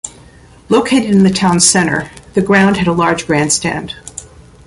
Located in the town centre, the ground had a large grandstand.